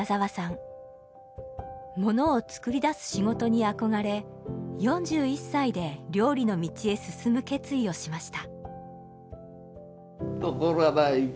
ものを作り出す仕事に憧れ４１歳で料理の道へ進む決意をしました。